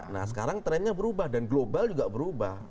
nah sekarang trendnya berubah dan global juga berubah